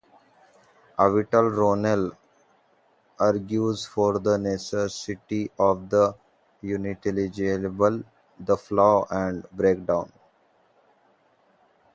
Avital Ronell argues for the necessity of the unintelligible, the flaw and breakdown.